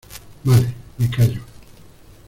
vale, me callo.